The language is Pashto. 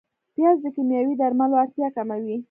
پیاز د کیمیاوي درملو اړتیا کموي